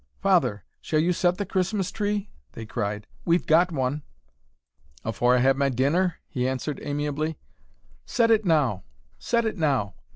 "Father, shall you set the Christmas Tree?" they cried. "We've got one!" "Afore I have my dinner?" he answered amiably. "Set it now. Set it now.